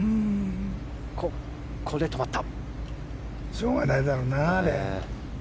しょうがないだろうな。